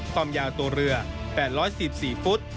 ความยาวตัวเรือ๘๔๔ฟุต